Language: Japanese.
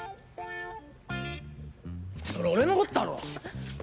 それ俺の事だろ！